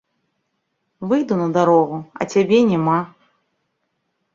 Выйду на дарогу, а цябе няма.